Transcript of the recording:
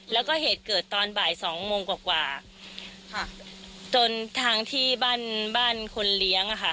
แล้วก็เหตุเกิดตอนบ่ายสองโมงกว่ากว่าค่ะจนทางที่บ้านบ้านคนเลี้ยงอ่ะค่ะ